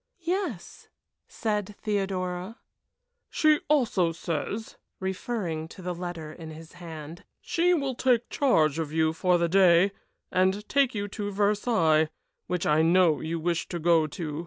"Yes," said Theodora. "She also says," referring to the letter in his hand, "she will take charge of you for the day, and take you to Versailles, which I know you wish to go to.